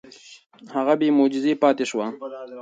هغه بې معجزې پاتې شوه.